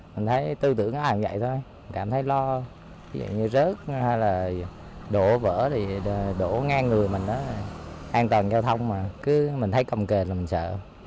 vậy như rớt hay là đổ vỡ thì đổ ngang người mình đó an toàn giao thông mà cứ mình thấy cầm kề là mình sợ